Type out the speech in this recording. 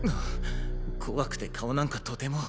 怖くて顔なんかとても。